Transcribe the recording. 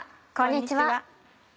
こんにちは。